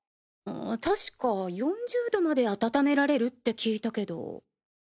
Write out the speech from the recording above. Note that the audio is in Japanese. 確か４０℃まで温められるって聞いたけど。